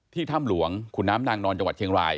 ถ้ำหลวงขุนน้ำนางนอนจังหวัดเชียงราย